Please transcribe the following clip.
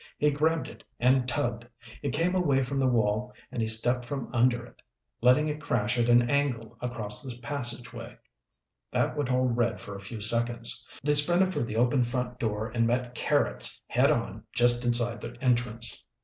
He grabbed it and tugged. It came away from the wall and he stepped from under it, letting it crash at an angle across the passageway. That would hold Red for a few seconds. They sprinted for the open front door and met Carrots head on just inside the entrance.